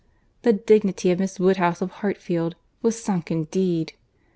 —The dignity of Miss Woodhouse, of Hartfield, was sunk indeed!